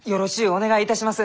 お願いいたします！